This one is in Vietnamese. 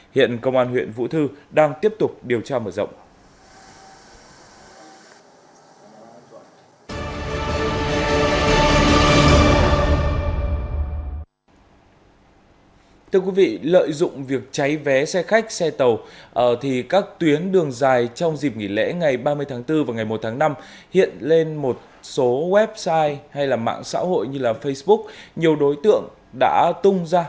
hiện công an huyện vũ thư đang tiếp tục điều tra mở rộng